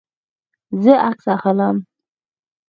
زه عکس اخلم